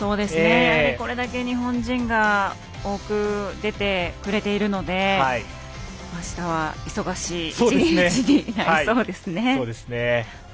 これだけ日本人が多く出てくれているのであしたは忙しい１日になりそうですね。